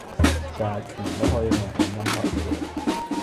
其實，人人都可以去紅館登台噶!